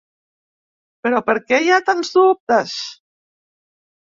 Però, per què hi ha tants dubtes?